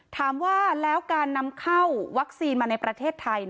ถามว่าแล้วการนำเข้าวัคซีนมาในประเทศไทย